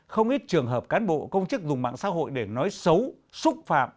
không ít trường hợp cán bộ công chức dùng mạng xã hội để nói xấu xúc phạm